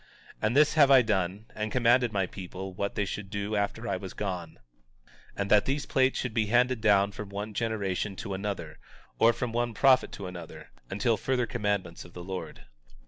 And this have I done, and commanded my people what they should do after I was gone; and that these plates should be handed down from one generation to another, or from one prophet to another, until further commandments of the Lord.